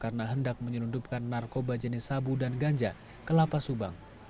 karena hendak menyelundupkan narkoba jenis sabu dan ganja ke lapas subang